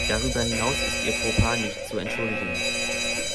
Darüber hinaus ist ihr Fauxpas nicht zu entschuldigen.